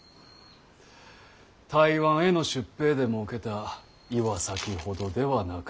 台湾への出兵でもうけた岩崎ほどではなか。